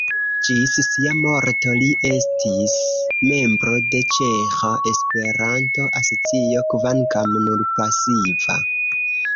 Ĝis sia morto li estis membro de Ĉeĥa Esperanto-Asocio, kvankam nur pasiva.